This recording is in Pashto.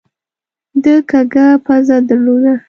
ده کږه پزه درلوده.